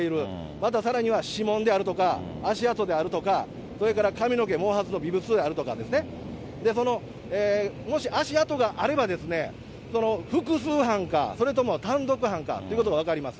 またさらには指紋であるとか、足跡であるとか、それから髪の毛、毛髪の微物であるとかですね、もし足跡があれば、複数犯か、それとも単独犯かということが分かります。